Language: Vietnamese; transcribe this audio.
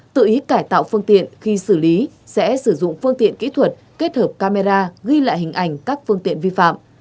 tự ý cải tạo phương tiện khi xử lý sẽ sử dụng phương tiện kỹ thuật kết hợp camera ghi lại hình ảnh các phương tiện vi phạm